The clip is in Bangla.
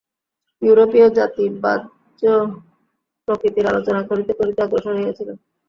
ইউরোপীয় জাতি বাহ্য প্রকৃতির আলোচনা করিতে করিতে অগ্রসর হইয়াছিলেন।